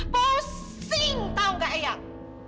pusing tahu gak eyang